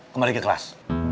kembali ke kelas